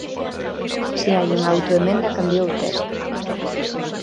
Se hai unha autoemenda, cambiou o texto.